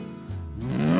うん？